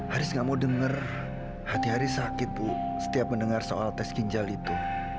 haris nggak mau dengar hati haris sakit bu setiap mendengar soal tes ginjal itu